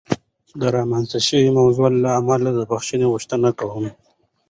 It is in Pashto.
د رامنځته شوې موضوع له امله د بخښنې غوښتنه کوم.